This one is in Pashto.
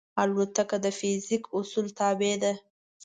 الوتکه د فزیک اصولو تابع ده.